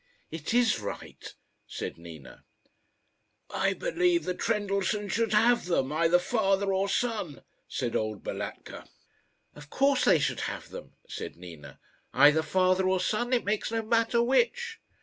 "It is right," said Nina. "I believe the Trendellsohns should have them either father or son," said old Balatka. "Of course they should have them," said Nina; "either father or son it makes no matter which."